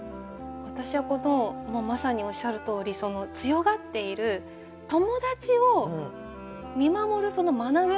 私はこのまさにおっしゃるとおり強がっている友達を見守るそのまなざしがすっごい好きです。